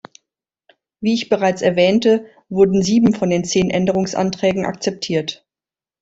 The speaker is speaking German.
Wie ich bereits erwähnte, wurden sieben von den zehn Änderungsanträgen akzeptiert.